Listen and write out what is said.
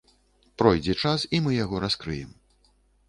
Пройдзе час, і мы яго раскрыем.